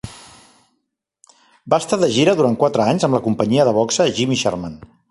Va estar de gira durant quatre anys amb la Companyia de boxa Jimmy Sharman.